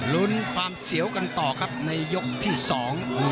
รุ้นความเสียวกันต่อครับในยกที่สอง